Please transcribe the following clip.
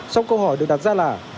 sau câu hỏi được đặt ra là